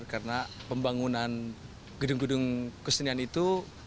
karena pembangunan gedung gedung kesenian itu